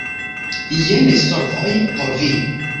Jen solvoj por vi.